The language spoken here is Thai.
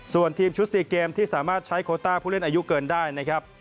ส่วนทีมชุด๔เกมที่สามารถใช้โคต้าผู้เล่นอายุเกินได้นะครับ